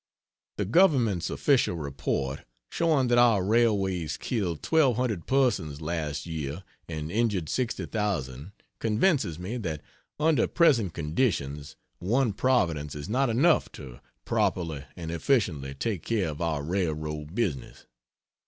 The Government's Official report, showing that our railways killed twelve hundred persons last year and injured sixty thousand convinces me that under present conditions one Providence is not enough to properly and efficiently take care of our railroad business.